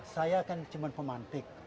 saya kan cuma pemantik